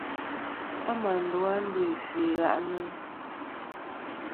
A mà ndu a ndo afvɨ i ghaʼnɨ.